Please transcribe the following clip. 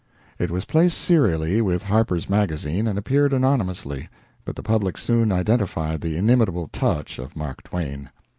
It was placed serially with "Harper's Magazine" and appeared anonymously, but the public soon identified the inimitable touch of Mark Twain.